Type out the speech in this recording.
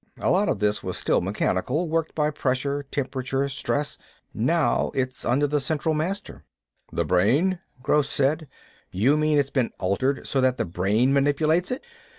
A lot of this was still mechanical, worked by pressure, temperature, stress. Now it's under the central master." "The brain?" Gross said. "You mean it's been altered so that the brain manipulates it?"